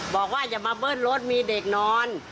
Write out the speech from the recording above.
บอกว่าอย่ามาเบิ้ลรถมีเด็กนอน